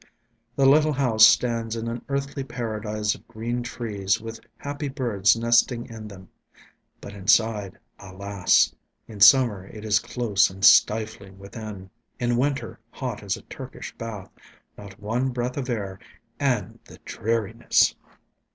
The little house stands in an earthly paradise of green trees with happy birds nesting in them. But inside ... alas ...! In summer, it is close and stifling within; in winter, hot as a Turkish bath, not one breath of air, and the dreariness!